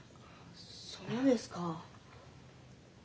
そうですか。